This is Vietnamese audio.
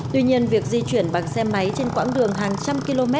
tuy nhiên việc di chuyển bằng xe máy trên quãng đường hàng trăm km